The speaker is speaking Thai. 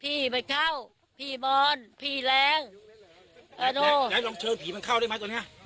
ผีมันเข้าผีมอนผีแหลงเอาดูไหนลองเชิญผีมันเข้าได้ไหมตอนนี้